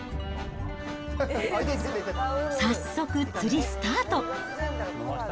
早速、釣りスタート。